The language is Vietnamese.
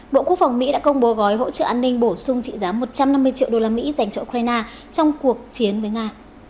bộ quốc phòng mỹ đã công bố gói hỗ trợ an ninh bổ sung trị giá một trăm năm mươi triệu đô la mỹ dành cho ukraine trong cuộc chiến với nga